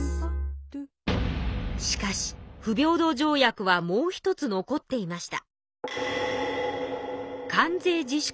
しかし不平等条約はもう一つ残っていました。